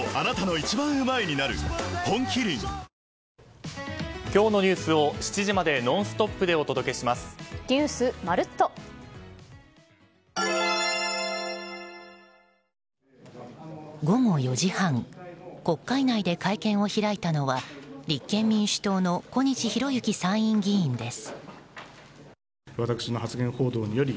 本麒麟午後４時半国会内で会見を開いたのは立憲民主党の小西洋之参院議員です。